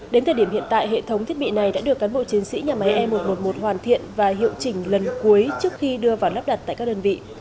đến thời điểm hiện tại hệ thống thiết bị này đã được cán bộ chiến sĩ nhà máy e một trăm một mươi một hoàn thiện và hiệu chỉnh lần cuối trước khi đưa vào lắp đặt tại các đơn vị